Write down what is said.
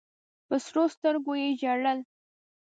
په سرو سترګو یې ژړل.